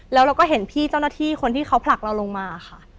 แล้วเราก็เห็นพี่เจ้าหน้าที่คนที่เขาผลักเราลงมาค่ะ